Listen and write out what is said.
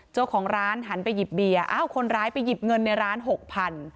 เจ้าของร้านหันไปหยิบเบียร์อ้าวคนร้ายไปหยิบเงินในร้านหกพัน